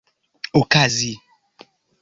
okazi